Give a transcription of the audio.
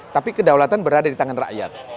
tapi kedaulatan berada di tangan rakyat